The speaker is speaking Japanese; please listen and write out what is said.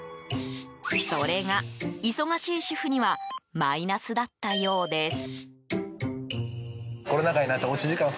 それが、忙しい主婦にはマイナスだったようです。